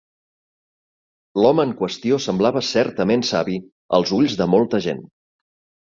L'home en qüestió semblava certament savi als ulls de molta gent.